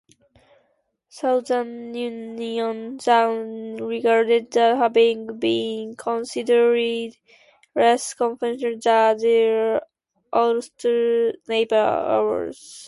Southern Unionists are regarded as having been considerably less confrontational than their Ulster neighbours.